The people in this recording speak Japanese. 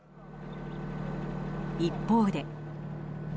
一方で。